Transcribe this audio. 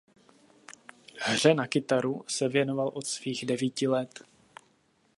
Hře na kytaru se věnoval od svých devíti let.